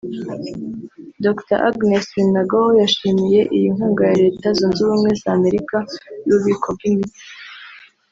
Dr Agnes Binagwaho yashimiye iyi nkunga ya Leta zunze ubumwe za Amerika y’ububiko bw’imiti